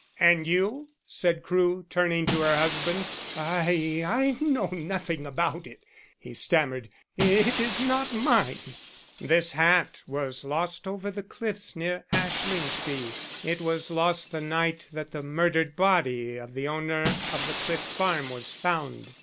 "And you?" said Crewe, turning to her husband. "I I know nothing about it," he stammered. "It is not mine." "This hat was lost over the cliffs near Ashlingsea. It was lost the night that the murdered body of the owner of the Cliff Farm was found.